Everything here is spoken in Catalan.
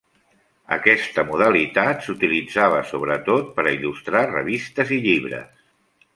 Aquesta modalitat s'utilitzava sobretot per a il·lustrar revistes i llibres.